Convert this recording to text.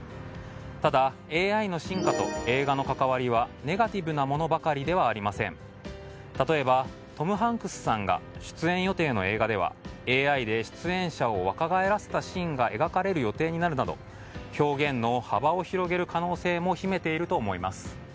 ただ、ＡＩの進化と映画の関わりはネガティブなものばかりではなく例えば、トム・ハンクスさんが出演予定の映画ではＡＩで出演者を若返らせたシーンが描かれる予定になるなど表現の幅を広げる可能性も秘めていると思います。